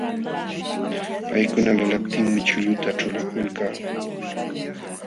Paykuna alalaptinmi chulluta ćhulakulka.